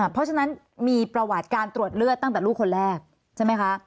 เพราะฉะนั้นมีประวัติการตรวจเลือดตั้งแต่ลูกคนแรกใช่ไหมคะ